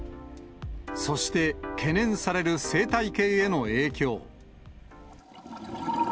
そして、懸念される生態系への影響。